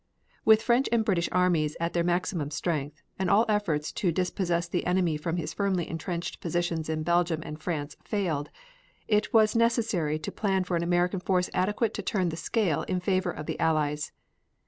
With French and British armies at their maximum strength, and all efforts to dispossess the enemy from his firmly intrenched positions in Belgium and France failed, it was necessary to plan for an American force adequate to turn the scale in favor of the Allies.